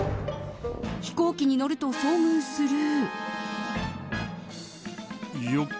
飛行機に乗ると遭遇する。